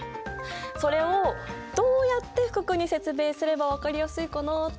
それをどうやって福君に説明すれば分かりやすいかなあと思って。